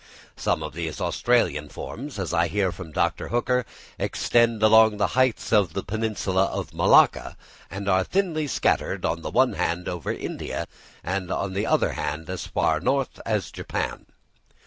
Some of these Australian forms, as I hear from Dr. Hooker, extend along the heights of the peninsula of Malacca, and are thinly scattered on the one hand over India, and on the other hand as far north as Japan.